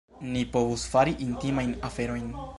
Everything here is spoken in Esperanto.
Ni povus fari intimajn aferojn.